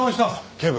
警部。